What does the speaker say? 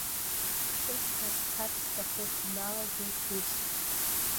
Ԥшыхәра сцарц сҭахуп, дналагеит Бесик.